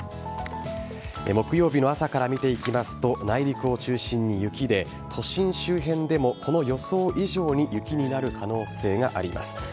木曜日の朝から見ていきますと、内陸を中心に雪で、都心周辺でもこの予想以上に雪になる可能性があります。